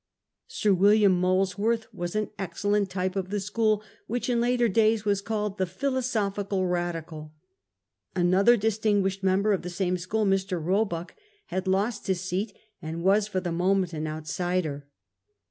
Sir William Molesworth was an excellent type of the school which in later days was called the Philosophical Radical. Another distinguished member of the same school, Mr. Roebuck, had lost his seat, and was for the moment an outsider.